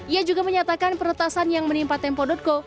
ia juga menyatakan peretasan yang menimpa tempo co